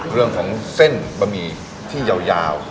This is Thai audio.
เรื่องของเส้นบะหมี่ที่ยาว